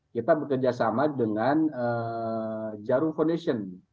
kita bekerjasama dengan jarum foundation